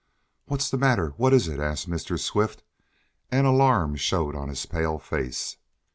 "What's the matter? What is it?" asked Mr. Swift, and alarm showed on his pale face.